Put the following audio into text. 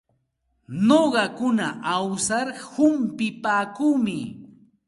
Nuqaku awsar humpipaakuumi.